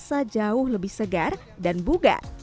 tapi saat ini terasa jauh lebih segar dan buga